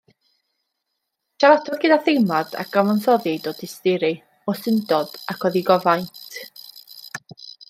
Siaradodd gyda theimlad a gyfansoddid o dosturi, o syndod ac o ddigofaint.